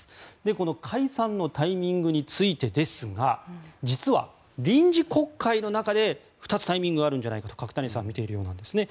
この解散のタイミングについてですが実は臨時国会の中で２つタイミングがあるんじゃないかと角谷さんは見ているようなんですね。